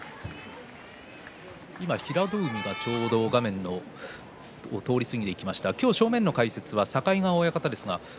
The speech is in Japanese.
平戸海がちょうど画面を通り過ぎましたが正面の解説、境川親方です。